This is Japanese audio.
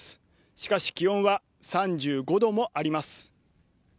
しかし気温は３５度もあります。